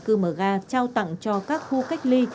cư mở ga trao tặng cho các khu cách ly